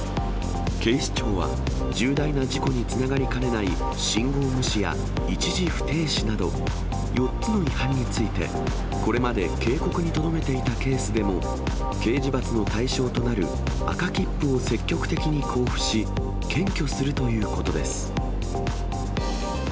警視庁は重大な事故につながりかねない信号無視や一時不停止など、４つの違反について、これまで警告にとどめていたケースでも、刑事罰の対象となる赤切符を積極的に交付し、検挙するということです。